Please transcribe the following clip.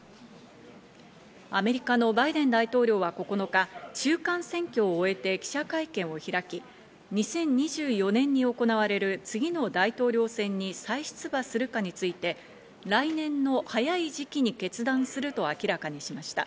アメリカのバイデン大統領は９日、中間選挙を終えて記者会見を開き、２０２４年に行われる次の大統領選に再出馬するかについて、来年の早い時期に決断すると明らかにしました。